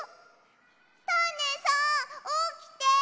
タネさんおきて！